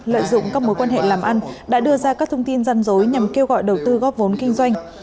lợi dụng các mối quan hệ làm ăn đã đưa ra các thông tin răn rối nhằm kêu gọi đầu tư góp vốn kinh doanh